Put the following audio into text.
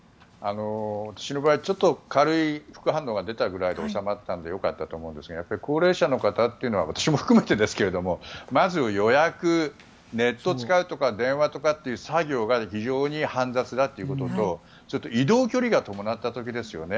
私の場合ちょっと軽い副反応が出たくらいで収まったんでよかったと思うんですが高齢者の方というのは私も含めて、まず予約ネット使うとか電話を使うとか非常に煩雑だということと移動距離が伴った時ですよね。